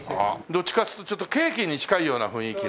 どっちかっつうとちょっとケーキに近いような雰囲気の。